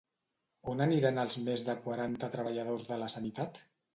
On aniran els més de quaranta treballadors de la Sanitat?